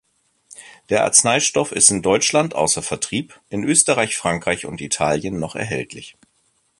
Der Arzneistoff ist in Deutschland außer Vertrieb, in Österreich, Frankreich und Italien noch erhältlich.